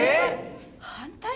反対？